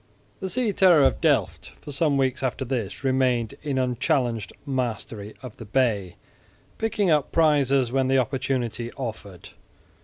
The "Sea Terror of Delft" for some weeks after this remained in unchallenged mastery of the bay, picking up prizes when the opportunity offered.